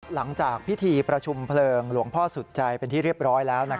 หลังจากพิธีประชุมเพลิงหลวงพ่อสุดใจเป็นที่เรียบร้อยแล้ว